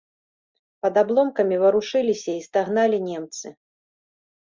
Пад абломкамі варушыліся і стагналі немцы.